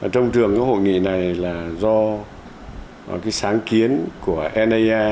trong trường hội nghị này là do sáng kiến của nia